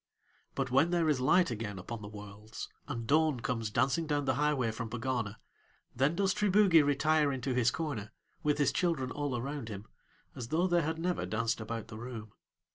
But when there is light again upon the worlds, and dawn comes dancing down the highway from Pegana, then does Triboogie retire into his corner, with his children all around him, as though they had never danced about the room.